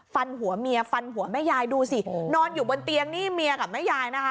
ฟันหัวเมียฟันหัวแม่ยายดูสินอนอยู่บนเตียงนี่เมียกับแม่ยายนะคะ